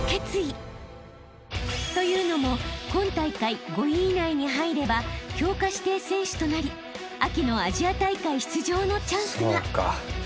［というのも今大会５位以内に入れば強化指定選手となり秋のアジア大会出場のチャンスが］